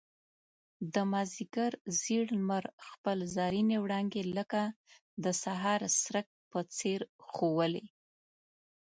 د مازيګر زېړ لمر خپل زرينې وړانګې لکه د سهار څرک په څېر ښوولې.